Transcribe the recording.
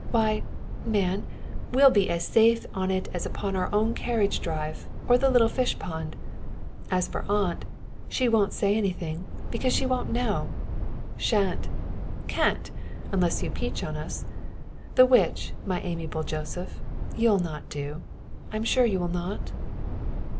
Why, man, we'll be as safe on it as upon our own carriage drive, or the little fishpond. As for aunt, she won't say anything, because she won't know. Shan't, can't, unless you peach on us. The which, my amiable Joseph, you'll not do I'm sure you will not?"